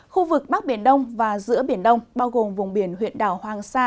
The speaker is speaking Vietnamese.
khu vực bắc biển đông và giữa biển đông bao gồm vùng biển huyện đảo hoàng sa